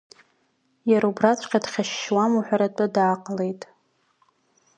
Иара убраҵәҟьа дхьашьшьуама уҳәартәы дааҟалеит.